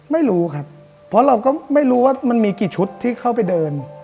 ไม่รู้ครับเพราะเราก็ไม่รู้ว่ามันมีกี่ชุดที่เข้าไปเดิน